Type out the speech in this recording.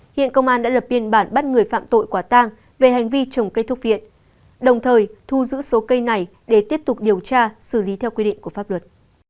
hiện công an đã lập biên bản bắt người phạm tội quả tang về hành vi trồng cây thuốc viện đồng thời thu giữ số cây này để tiếp tục điều tra xử lý theo quy định của pháp luật